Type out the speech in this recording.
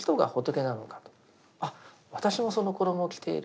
あっ私もその衣を着ている。